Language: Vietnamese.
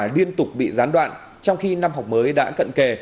liên tục bị gián đoạn trong khi năm học mới đã cận kề